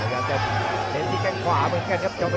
เตรียมเตรียมเตรียมเตรียมลงลงไป